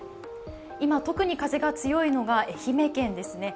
今、特に風が強いのが愛媛県ですね